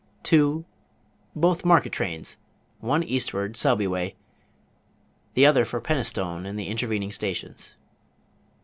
"Two, both market trains; one eastward, Selby way, the other for Penistone and the intervening stations."